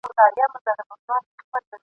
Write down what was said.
يوه ورځ پر دغه ځمکه ..